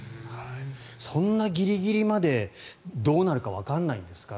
そんなギリギリまでどうなるかわからないんですか。